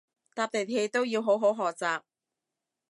搭地鐵都要好好學習